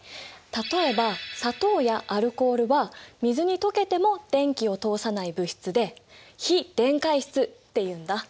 例えば砂糖やアルコールは水に溶けても電気を通さない物質で非電解質っていうんだ。